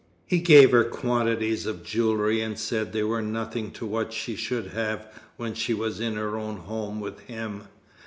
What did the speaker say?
He gave her quantities of jewellery, and said they were nothing to what she should have when she was in her own home with him.